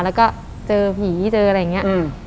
แล้วก็เจอผีเจออะไรอย่างนี้